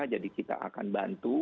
jadi kita akan bantu